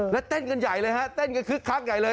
แล้วเต้นกันใหญ่เลยฮะเต้นกันคึกคักใหญ่เลย